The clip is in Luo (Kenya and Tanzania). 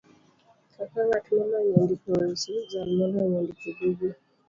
kaka ng'at molony e ndiko wende, jal molony e ndiko buge,